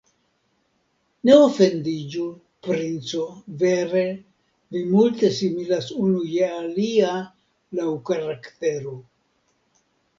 Ne ofendiĝu, princo, vere, vi multe similas unu je alia laŭ karaktero.